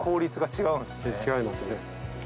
違いますね。